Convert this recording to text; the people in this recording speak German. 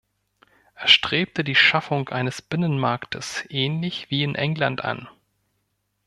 Er strebte die Schaffung eines Binnenmarktes ähnlich wie in England an.